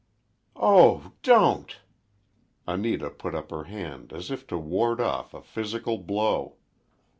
"Oh! Don't!" Anita put up her hand as if to ward off a physical blow.